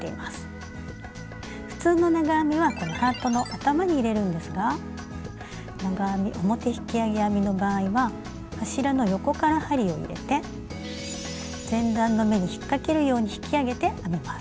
普通の長編みはこのハートの頭に入れるんですが長編み表引き上げ編みの場合は柱の横から針を入れて前段の目に引っかけるように引き上げて編みます。